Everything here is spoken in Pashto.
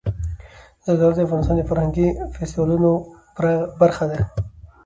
زردالو د افغانستان د فرهنګي فستیوالونو برخه ده.